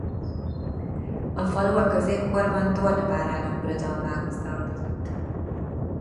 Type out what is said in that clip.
A falu a középkorban Torna várának uradalmához tartozott.